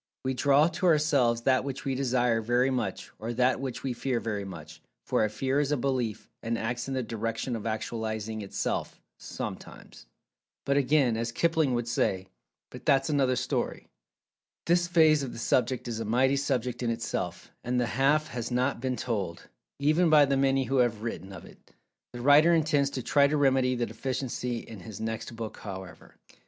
We draw to ourselves that which we Desire very much, or that which we Fear very much, for a Fear is a Belief, and acts in the direction of actualizing itself, sometimes. But, again, as Kipling would say: "But, that's another story." This phase of the subject is a mighty subject in itself, and "the half has not been told" even by the many who have written of it. The writer intends to try to remedy the deficiency in his next book, however.